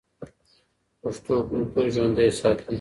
پښتو کلتور ژوندی ساتي.